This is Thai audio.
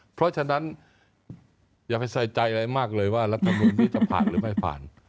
เพราะฉะนั้นอย่าไปใส่ใจอะไรมากเลยว่ารัฐมนุนนี้จะผ่านหรือไม่ผ่าน